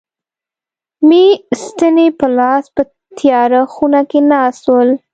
مې ستنې په لاس په تیاره خونه کې ناست ول.